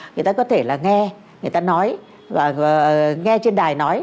người ta có thể là nghe người ta nói và nghe trên đài nói